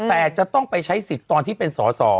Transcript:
แต่จะต้องไปใช้สิทธิ์ตอนที่เป็นสอสอ